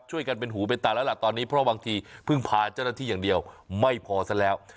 กันเป็นหูเป็นตาแล้วล่ะตอนนี้เพราะบางทีเพิ่งพาเจ้าหน้าที่อย่างเดียวไม่พอซะแล้ว